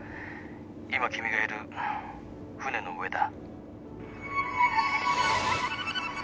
今君がいる船の上だ。